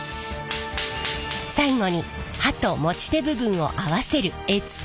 最後に刃と持ち手部分を合わせる柄付け。